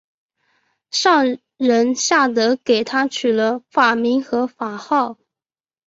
上仁下德给他取了法名和法号。